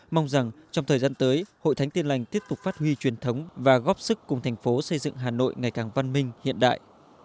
mong rằng trong thời gian tới hội thánh tin lành tiếp tục phát huy truyền thống và góp sức cùng thành phố xây dựng hà nội ngày càng văn minh hiện đại